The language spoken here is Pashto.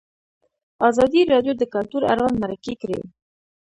ازادي راډیو د کلتور اړوند مرکې کړي.